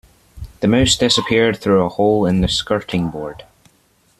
The mouse disappeared through a hole in the skirting board